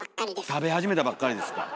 食べ始めたばっかりですか。